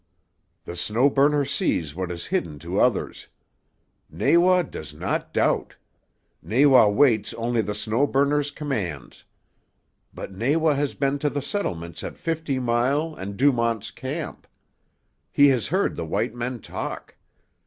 "The Snow Burner sees what is hidden to others. Nawa does not doubt. Nawa waits only the Snow Burner's commands. But Nawa has been to the settlements at Fifty Mile and Dumont's Camp. He has heard the white men talk.